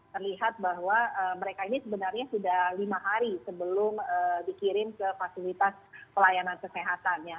terlihat bahwa mereka ini sebenarnya sudah lima hari sebelum dikirim ke fasilitas pelayanan kesehatan ya